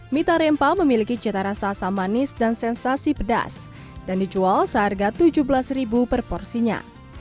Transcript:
mita rempa memiliki cita rasa asam manis dan sensasi pedas dan dijual seharga rp tujuh belas per porsinya